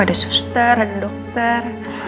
ada suster ada dokter